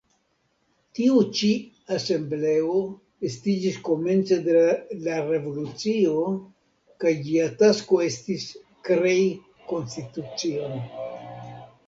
Tiu ĉi asembleo estiĝis komence de la revolucio kaj ĝia tasko estis krei konstitucion.